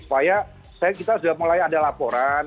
supaya kita sudah mulai ada laporan